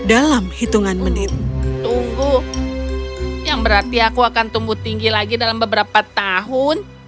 dalam hitungan menit tunggu yang berarti aku akan tumbuh tinggi lagi dalam beberapa tahun